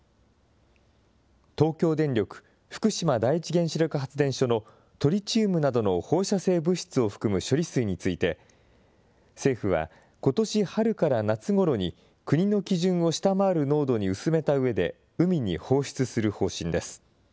東京電力福島第一原子力発電所のトリチウムなどの放射性物質を含む処理水について、政府は、ことし春から夏ごろに国の基準を下回る濃度に薄めたうえで海に放出する方針です。